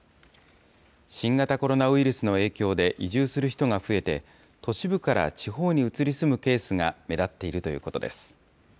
新型コロナウイルスの影響で、移住する人が増えて、都市部から地方に移り住むケースが目立っているということです。